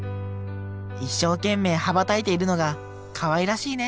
一生懸命羽ばたいているのがかわいらしいね